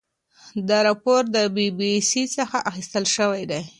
دا راپور د بي بي سي څخه اخیستل شوی دی.